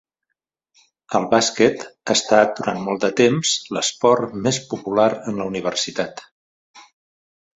El bàsquet ha estat durant molt de temps l'esport més popular en la universitat.